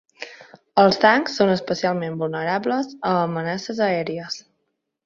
Els tancs són especialment vulnerables a amenaces aèries.